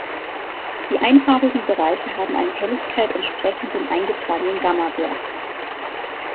Die einfarbigen Bereiche haben eine Helligkeit entsprechend dem eingetragenen Gamma-Wert.